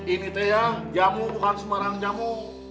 ini tuh ya jamu bukan sebarang jamu